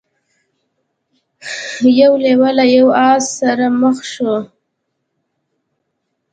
یو لیوه له یو آس سره مخ شو.